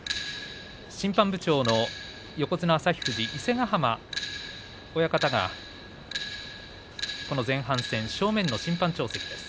審判部長の横綱旭富士伊勢ヶ濱親方がこの前半戦、正面の審判長席です。